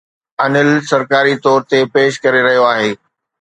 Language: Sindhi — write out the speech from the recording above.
ANIL سرڪاري طور تي پيش ڪري رهيو آهي